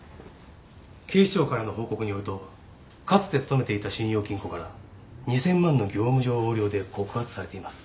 警視庁からの報告によるとかつて勤めていた信用金庫から２０００万の業務上横領で告発されています